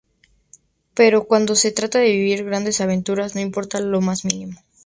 Pero cuando se trata de vivir grandes aventuras, no importa lo más mínimo.